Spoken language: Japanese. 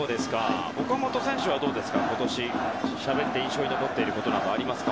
岡本選手はどうですか、今年しゃべって印象に残っていることなどありますか？